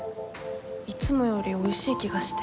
いつもよりおいしい気がして。